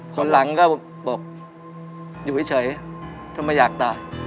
คนหลังก็บอกอยู่เฉยทำไมอยากตาย